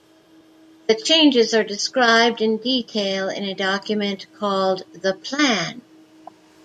The changes are described in detail in a document called "The Plan".